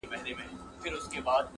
o ډېري خزانې لرو الماس لرو په غرونو کي,